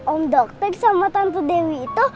om dokter sama tante dewi itu